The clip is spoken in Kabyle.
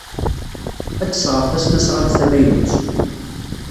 Ad d-sɣeɣ tasnasɣalt tamaynut.